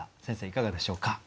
先生いかがでしょうか？